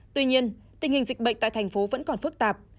tuy nhiên tình hình dịch bệnh tại thành phố vẫn còn phức tạp